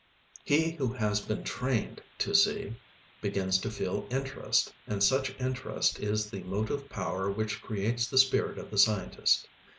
He who has been "trained" to see, begins to feel interest, and such interest is the motive power which creates the spirit of the scientist.